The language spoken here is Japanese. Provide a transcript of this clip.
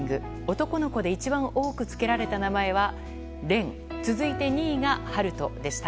男の子で一番多くつけられた名前は蓮続いて２位が陽翔でした。